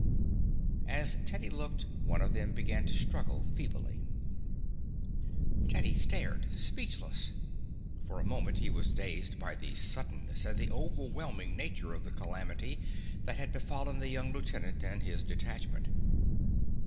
As Teddy looked one of them began to struggle feebly. Teddy stared, speechless. For a moment he was dazed by the suddenness and the overwhelming nature of the calamity that had befallen the young lieutenant and his detachment.